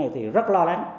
thì rất lo lắng